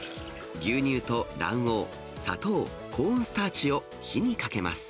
牛乳と卵黄、砂糖、コーンスターチを火にかけます。